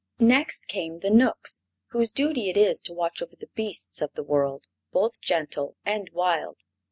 Next came the Knooks, whose duty it is to watch over the beasts of the world, both gentle and wild.